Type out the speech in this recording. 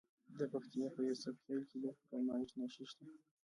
د پکتیکا په یوسف خیل کې د کرومایټ نښې شته.